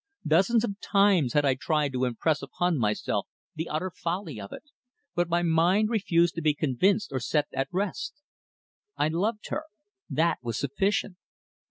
Dozens of times had I tried to impress upon myself the utter folly of it, but my mind refused to be convinced or set at rest. I loved her; that was sufficient.